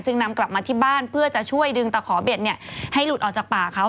นำกลับมาที่บ้านเพื่อจะช่วยดึงตะขอเบ็ดให้หลุดออกจากป่าเขา